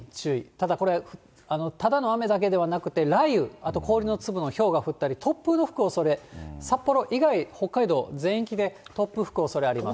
ただこれ、ただの雨だけではなくて、雷雨、氷の粒のひょうが降ったり、突風の吹くおそれ、札幌以外、北海道全域で、突風吹くおそれあります。